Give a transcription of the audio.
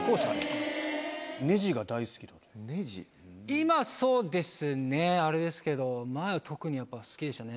今そうですねあれですけど前は特にやっぱ好きでしたね。